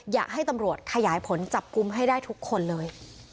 อยากให้ตำรวจขยายผลจับกลุ่มให้ได้ทุกคนเลย